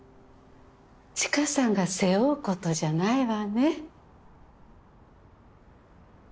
知花さんが背負うことじゃないわね。